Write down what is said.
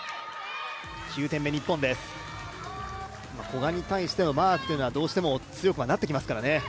古賀に対してのマークというのはどうしても強くはなってきますからね